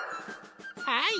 はい！